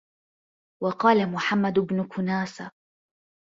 وَقَالَ مُحَمَّدُ بْنُ كُنَاسَةَ